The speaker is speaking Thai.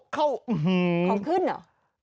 เข้าขึ้นเหรอ